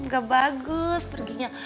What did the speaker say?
gak bagus perginya